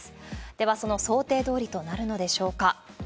では、その想定どおりとなるのでしょうか。